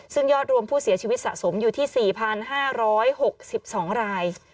ซึ่งยอดรวมผู้เสียชีวิตสะสมอยู่ที่๔๕๖๒ราย